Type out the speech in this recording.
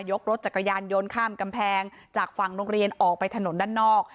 รถจักรยานยนต์ข้ามกำแพงจากฝั่งโรงเรียนออกไปถนนด้านนอก